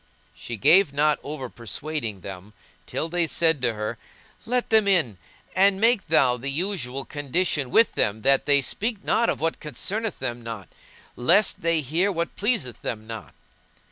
She gave not over persuading them till they said to her, "Let them in, and make thou the usual condition with them that they speak not of what concerneth them not, lest they hear what pleaseth them not."